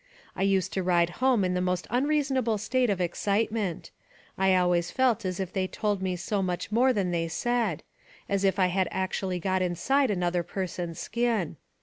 I used to ride home in the most un reasonable state of excitement; I always felt as if they told me so much more than they said as if I had actually got inside another person's skin.